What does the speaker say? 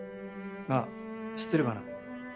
あぁ知ってるかな？